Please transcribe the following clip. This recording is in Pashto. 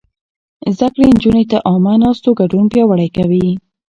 زده کړې نجونې د عامه ناستو ګډون پياوړی کوي.